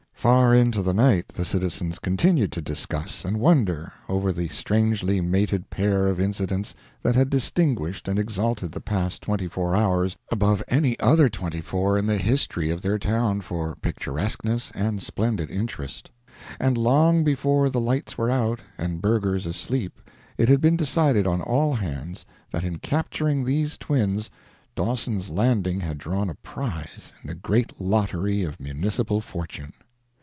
Far into the night the citizens continued to discuss and wonder over the strangely mated pair of incidents that had distinguished and exalted the past twenty four hours above any other twenty four in the history of their town for picturesqueness and splendid interest; and long before the lights were out and burghers asleep it had been decided on all hands that in capturing these twins Dawson's Landing had drawn a prize in the great lottery of municipal fortune.